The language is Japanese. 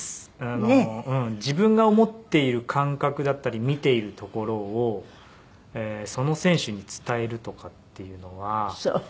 自分が思っている感覚だったり見ているところをその選手に伝えるとかっていうのは。